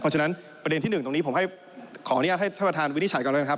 เพราะฉะนั้นประเด็นที่๑ตรงนี้ผมขออนุญาตให้ท่านประธานวินิจฉัยก่อนแล้วนะครับ